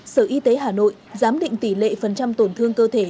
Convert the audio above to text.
sở y tế hà nội giám định tỷ lệ phần trăm tổn thương cơ thể